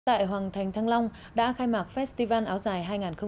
tại hoàng thành thăng long đã khai mạc festival áo dài hai nghìn một mươi chín